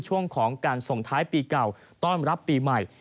ช่วงของการส่งท้ายปีเก่าต้อนรับปีใหม่